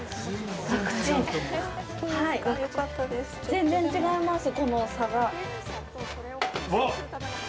全然違います。